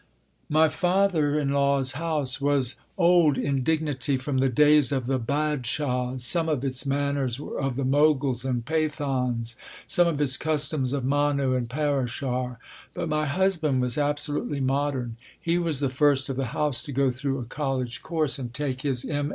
My father in law's house was old in dignity from the days of the __Badshahs__. Some of its manners were of the Moguls and Pathans, some of its customs of Manu and Parashar. But my husband was absolutely modern. He was the first of the house to go through a college course and take his M.